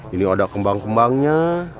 ini ada kembang kembangnya